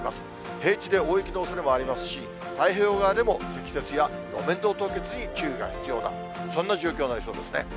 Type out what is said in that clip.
平地で大雪のおそれもありますし、太平洋側でも積雪や路面の凍結に注意が必要な、そんな状況の予想ですね。